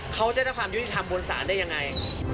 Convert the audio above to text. เขาจะได้ความยุติธรรมบนศาลได้ยังไง